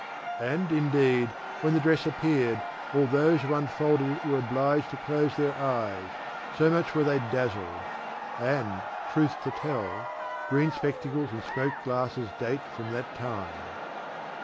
And, indeed, when the dress appeared, all those who unfolded it were obliged to close their eyes, so much were they dazzled. And, truth to tell, green spectacles and smoked glasses date from that time.